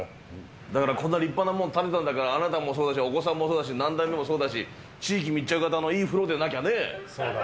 だからこんな立派なもん建てたんだから、あなたもそうだし、お子さんもそうだし、何代目もそうだし、地域密着型のいい風呂でなきゃねえ。